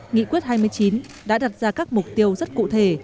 nghị quyết hai mươi chín đã đặt ra các mục tiêu rất cụ thể